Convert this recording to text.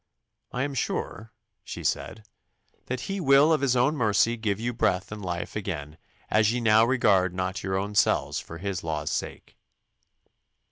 "I am sure," she said, "that He will of His own mercy give you breath and life again as ye now regard not your own selves for His laws' sake."